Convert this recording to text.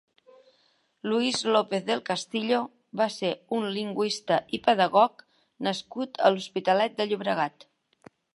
Lluís López del Castillo va ser un lingüista i pedagog nascut a l'Hospitalet de Llobregat.